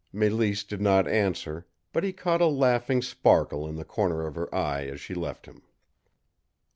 Mélisse did not answer, but he caught a laughing sparkle in the corner of her eye as she left him.